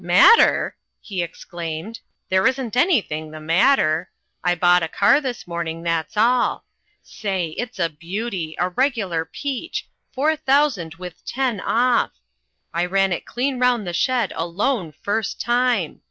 "Matter!" he exclaimed. "There isn't anything the matter! I bought a car this morning, that's all. Say, it's a beauty, a regular peach, four thousand with ten off. I ran it clean round the shed alone first time.